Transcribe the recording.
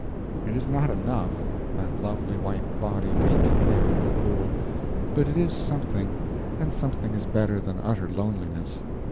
It is not enough that lovely white body painted there in the pool but it is something, and something is better than utter loneliness.